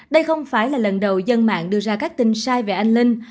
đây không phải là lần đầu dân mạng đưa ra các tin sai về anh linh